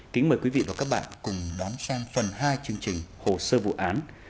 kính mời quý vị và các bạn cùng đón xem phần hai chương trình hồ sơ vụ án